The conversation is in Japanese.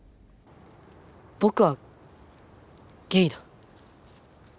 僕はゲイだ。